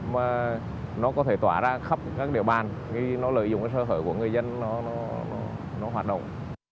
mà nó có thể tỏa ra khắp các địa bàn nó lợi dụng cho sơ hội của người dân nó hoạt động